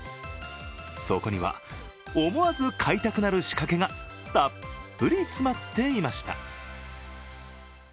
そこには思わず買いたくなる仕掛けがたっぷり詰まっていました。